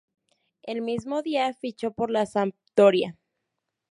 El mismo día, fichó por la Sampdoria.